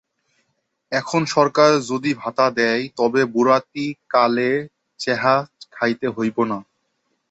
এখুন সরকার যুদি ভাতা দেয়, তবে বুড়াতিকালে চ্যাহা খাইতে হোইবে না।